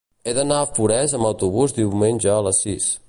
He d'anar a Forès amb autobús diumenge a les sis.